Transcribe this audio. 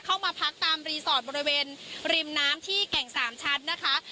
เข้ามาพักตามรีสอร์ทบริเวณริมน้ำที่แก่งสามชั้นนะคะ